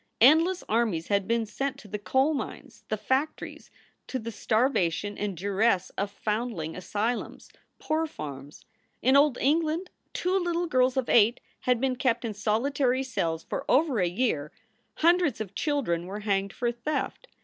End less armies had been sent to the coal mines, the factories, to the starvation and duress of foundling asylums, poor farms. In old England two little girls of eight had been kept in solitary cells for over a year, hundreds of children were hanged for theft.